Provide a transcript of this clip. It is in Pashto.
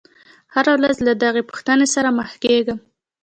هره ورځ له دغې پوښتنې سره مخ کېږم.